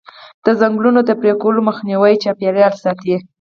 د ځنګلونو د پرې کولو مخنیوی چاپیریال ساتي.